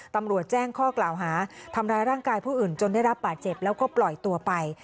ตำรวจแจ้งข้อกล่าวหาทำร้ายร่างกายผู้อื่นจนได้รับบาดเจ็บแล้วก็ปล่อยตัวไป